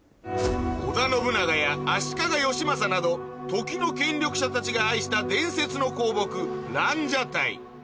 織田信長や足利義政など時の権力者たちが愛した伝説の香木蘭奢待